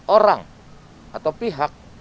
orang atau pihak